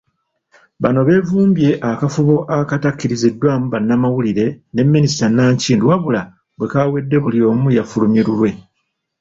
Bano beevumbye akafubo akatakkiriziddwamu bannamawulire ne minisita Nankindu wabula bwe kaawedde buli omu yafulumye lulwe.